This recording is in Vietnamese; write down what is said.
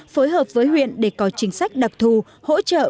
phối hợp với huyện để có chính sách đặc thù hỗ trợ